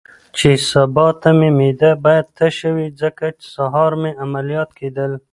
چې سبا ته مې معده باید تشه وي، ځکه سهار مې عملیات کېدل.